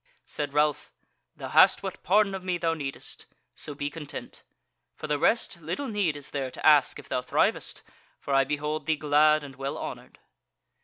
Said Ralph: "Thou hast what pardon of me thou needest; so be content. For the rest, little need is there to ask if thou thrivest, for I behold thee glad and well honoured."